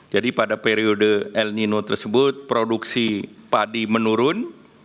jadi pada periode el nino tersebut produksi padi menurun